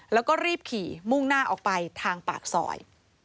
แล้วก็รีบขี่มุ่งหน้าออกไปทางปากซอย